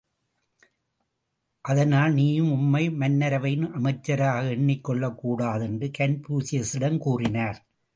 அதனால், நீயும் உம்மை மன்னரவையின் அமைச்சராக எண்ணிக் கொள்ளக் கூடாது என்று கன்பூசியசிடம் கூறினார்.